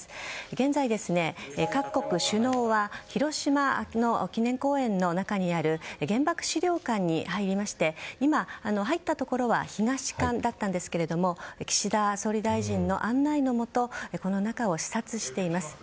現在、各国首脳は広島の記念公園の中にある原爆資料館に入りまして今、入ったところは東館だったんですが岸田総理大臣の案内のもとこの中を視察しています。